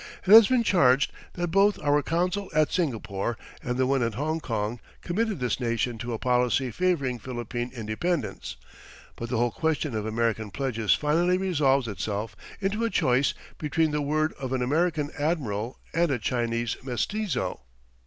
It has been charged that both our consul at Singapore and the one at Hongkong committed this nation to a policy favouring Philippine independence, but the whole question of American pledges finally resolves itself into a choice between the word of an American admiral and a Chinese mestizo.